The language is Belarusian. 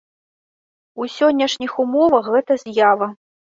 У сённяшніх умовах гэта з'ява.